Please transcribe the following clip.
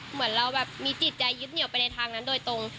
เหมือนเราแบบมีจิตใจยึดเหนียวไปในทางนั้นโดยตรง